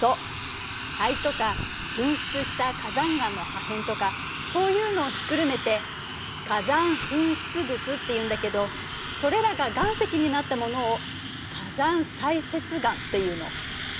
灰とか噴出した火山岩の破片とかそういうのをひっくるめて火山噴出物っていうんだけどそれらが岩石になったものを火山砕屑岩というの。